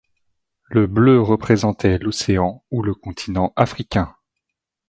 Le bleu représentait l’océan ou le continent africain.